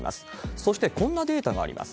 そして、こんなデータがあります。